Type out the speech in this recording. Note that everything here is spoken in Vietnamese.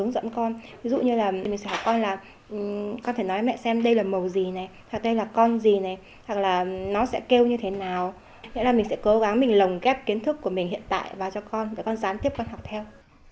đồng kép kiến thức của mình hiện tại và cho con gián tiếp con học theo